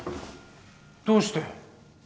どうして！？